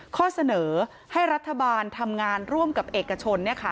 ข้อเสนอให้รัฐบาลทำงานร่วมกับเอกชน